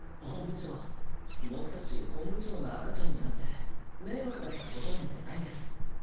本部長僕たち本部長が赤ちゃんになって迷惑だったことなんてないです。